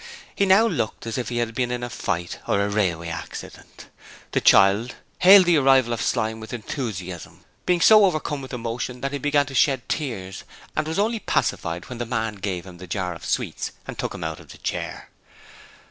He now looked as if he had been in a fight or a railway accident. The child hailed the arrival of Slyme with enthusiasm, being so overcome with emotion that he began to shed tears, and was only pacified when the man gave him the jar of sweets and took him out of the chair.